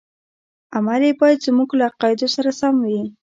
عمل یې باید زموږ له عقایدو سره سم وي.